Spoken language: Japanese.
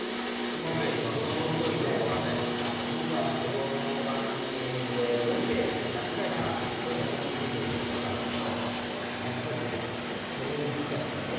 熊本城は僕はこの番組でロケで何回か熊本城へ行ったことがあるんですけどやっぱりね攻めにくかったです。